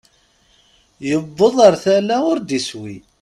Yewweḍ ar tala ur d-iswi.